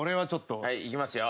はいいきますよ。